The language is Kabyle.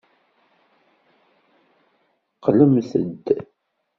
Qqlemt-d.